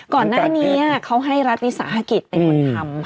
ก่อนหน้านี้เขาให้รัฐวิสาหกิจเป็นคนทำ